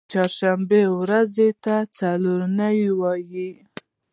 چهارشنبې ورځی ته څلور نۍ وایی